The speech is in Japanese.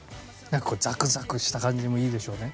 なんかこうザクザクした感じもいいでしょうね。